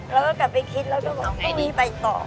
เราก็กลับไปคิดแล้วก็บอกว่าต้องมีไปต่อ